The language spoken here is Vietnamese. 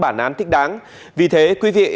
bản án thích đáng vì thế quý vị